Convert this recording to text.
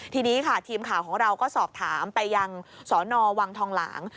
ทีนี้ค่ะทีมข่าวของเราก็สอบถามไปยังสนวังทองหลาง